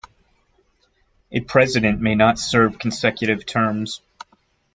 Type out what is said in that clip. A president may not serve consecutive terms.